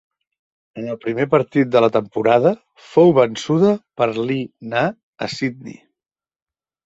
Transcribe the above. En el primer partit de la temporada fou vençuda per Li Na a Sydney.